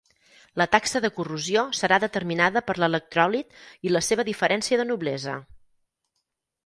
La taxa de corrosió serà determinada per l'electròlit i la seva diferència de noblesa.